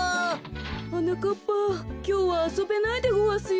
はなかっぱきょうはあそべないでごわすよ。